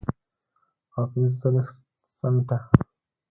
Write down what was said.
او پنځه څلوېښت سنټه